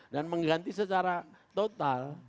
dan mengganti secara total